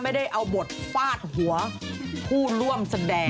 ไม่ได้เอาบทฟาดหัวผู้ร่วมแสดง